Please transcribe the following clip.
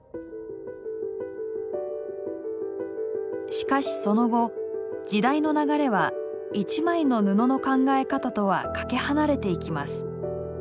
しかしその後時代の流れは「一枚の布」の考え方とはかけ離れていきます。